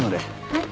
はい。